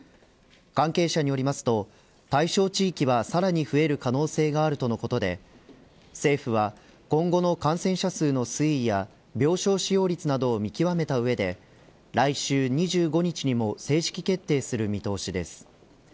関係者によりますと対象地域はさらに増える可能性があるとのことで政府は今後の感染者数の水位や病床使用率などを見極めた上で来週２５日にも正式決定する見通しです。